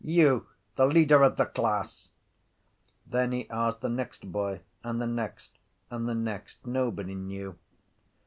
You, the leader of the class! Then he asked the next boy and the next and the next. Nobody knew.